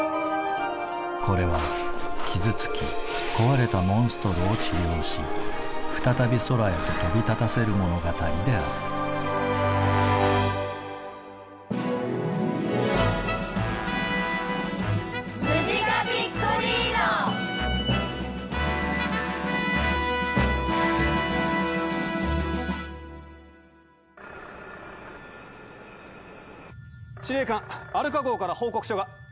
これは傷つき壊れたモンストロを治療し再び空へと飛び立たせる物語である司令官アルカ号から報告書が。